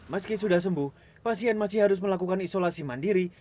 meski sudah sembuh pasien masih harus melakukan isolasi mandiri